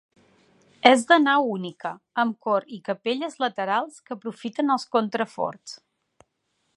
És de nau única, amb cor i capelles laterals que aprofiten els contraforts.